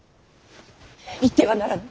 行ってはならぬ！